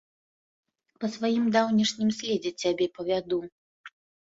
Па сваім даўнейшым следзе цябе павяду.